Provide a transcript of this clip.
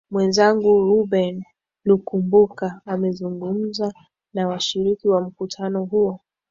mwezangu reuben lukumbuka amezungumza na washiriki wa mkutano huo